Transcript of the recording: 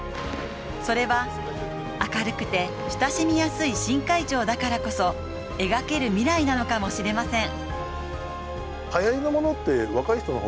それは明るくて親しみやすい新会長だからこそ描ける未来なのかもしれません。